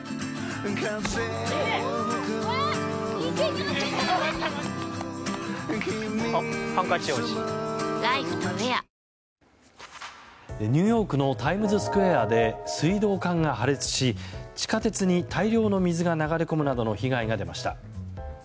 ニューヨークのタイムズスクエアがニューヨークのタイムズスクエアで水道管が破裂し、地下鉄に大量の水が流れ込むなどの被害が出ました。